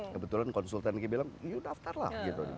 kebetulan konsultan kita bilang ya daftarlah